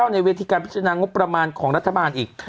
ในเวทีการพิจารณางบประมาณของรัฐบาลอีก